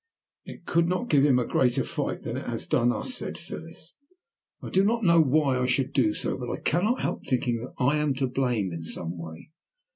"It could not give him a greater fright than it has done us," said Phyllis. "I do not know why I should do so, but I cannot help thinking that I am to blame in some way."